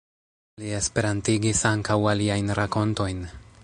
Li esperantigis ankaŭ aliajn rakontojn.